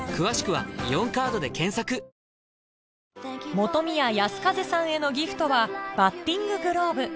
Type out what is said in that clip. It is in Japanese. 本宮泰風さんへのギフトはバッティンググローブ